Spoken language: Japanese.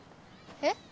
えっ？